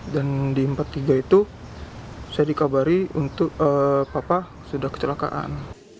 dan di empat belas empat puluh tiga itu saya dikabari untuk papa sudah kecelakaan